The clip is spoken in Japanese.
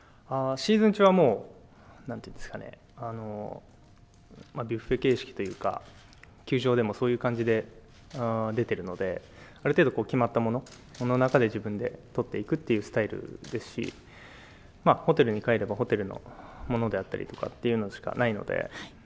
シーズン中はもう、ブッフェ形式というか、球場でもそういう感じで出ているので、ある程度決まったものの中で自分で取っていくというスタイルですし、ホテルに帰れば、ホテルのものであったりとかというのしかないので。